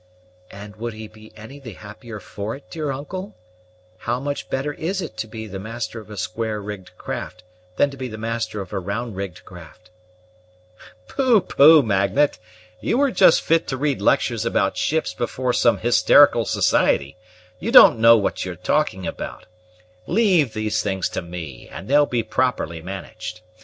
"And would he be any the happier for it, dear uncle? How much better is it to be the master of a square rigged craft than to be master of a round rigged craft?" "Pooh, pooh, Magnet! You are just fit to read lectures about ships before some hysterical society; you don't know what you are talking about; leave these things to me, and they'll be properly managed.